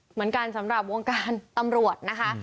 เหมือนกันสำหรับวงการตำรวจนะคะ